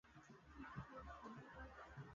Banaanza bya ma ibwe